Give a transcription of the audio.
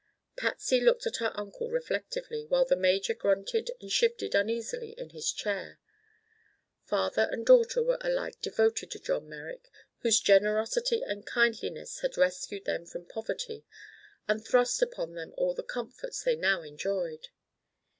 Patsy looked at her uncle reflectively, while the major grunted and shifted uneasily in his chair. Father and daughter were alike devoted to John Merrick, whose generosity and kindliness had rescued them from poverty and thrust upon them all the comforts they now enjoyed.